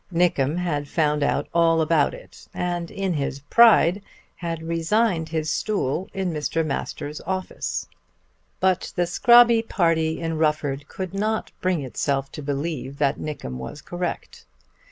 Nickem had found out all about it, and in his pride had resigned his stool in Mr. Masters' office. But the Scrobby party in Rufford could not bring itself to believe that Nickem was correct.